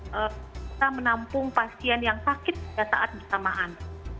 kita menampung pasien yang sakit pada saat bersamaan